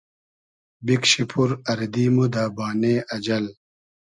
بیکشی پور اردی مۉ دۂ بانې اجئل